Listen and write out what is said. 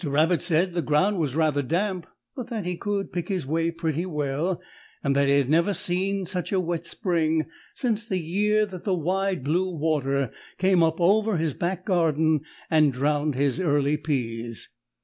Rabbit said that the ground was rather damp, but that he could pick his way pretty well, and that he had never seen such a wet spring since the year that the Wide Blue Water came up over his back garden and drowned his early pease.